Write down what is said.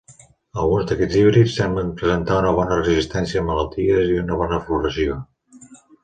Alguns d'aquests híbrids semblen presentar una bona resistència a malalties i una bona floració.